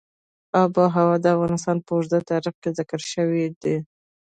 آب وهوا د افغانستان په اوږده تاریخ کې ذکر شوی دی.